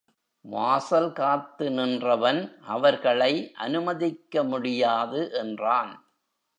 வாசல் காத்து நின்றவன் அவர்களை அனுமதிக்க முடியாது என்றான்.